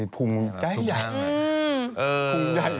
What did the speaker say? พุงเย็นใหญ่